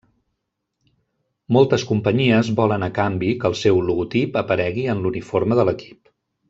Moltes companyies volen a canvi que el seu logotip aparegui en l'uniforme de l'equip.